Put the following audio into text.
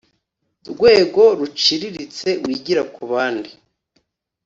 rwego ruciriritse wigira ku bandi